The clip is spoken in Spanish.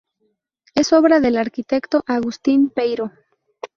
Es obra del arquitecto Agustín Peiró.